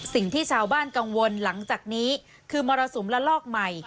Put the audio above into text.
สิ่งที่ชาวบ้านกังวลหลังจากนี้คือมรสุมละลอกใหม่